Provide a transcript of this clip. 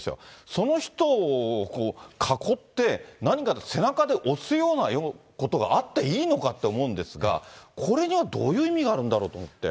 その人を囲って、何か背中を押すようなことがあっていいのかって思うんですが、これにはどういう意味があるんだろうと思って。